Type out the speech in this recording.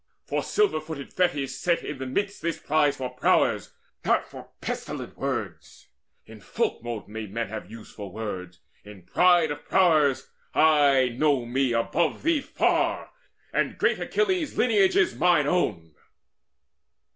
For silver footed Thetis set in the midst This prize for prowess, not for pestilent words. In folkmote may men have some use for words: In pride of prowess I know me above thee far, And great Achilles' lineage is mine own."